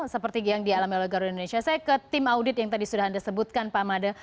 seperti yang dialami oleh garuda indonesia saya ke tim audit yang tadi sudah anda sebutkan pak made